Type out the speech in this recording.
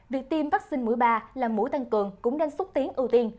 việc tiêm vaccine mũi ba là mũi tăng cường cũng nên xúc tiến ưu tiên